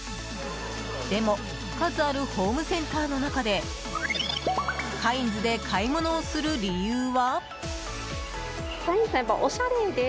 でも数あるホームセンターの中でカインズで買い物をする理由は？